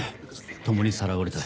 共にさらわれた。